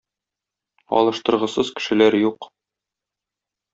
Алыштыргысыз кешеләр юк.